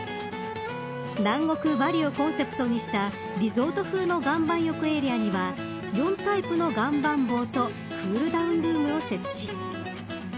南国、バリをコンセプトにしたリゾート風の岩盤浴エリアには４タイプの岩盤房とクールダウンルームを設置。